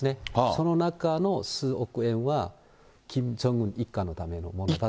その中の数億円は、キム・ジョンウン一家のためのものだと。